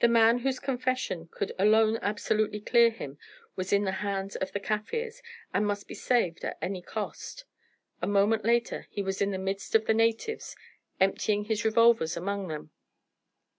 The man whose confession could alone absolutely clear him was in the hands of the Kaffirs, and must be saved at any cost. A moment later he was in the midst of the natives, emptying his revolvers among them.